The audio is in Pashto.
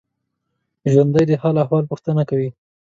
ژوندي د حال احوال پوښتنه کوي